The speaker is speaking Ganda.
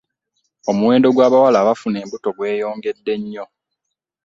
Omuwendo gw'abawala abafuna embuto gweyongedde nnyo.